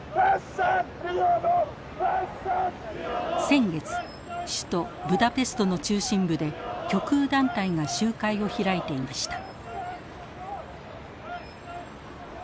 先月首都ブダペストの中心部で極右団体が集会を開いていました。